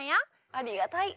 ありがたい。